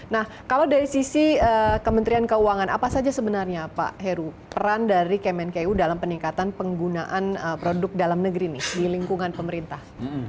nah kalau dari sisi kementerian keuangan apa saja sebenarnya pak heru peran dari kemenku dalam peningkatan penggunaan produk dalam negeri nih di lingkungan pemerintah